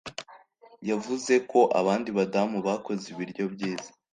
Yavuze ko abandi badamu bakoze ibiryo byiza